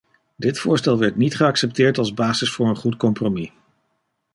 Dit voorstel werd niet geaccepteerd als basis voor een goed compromis.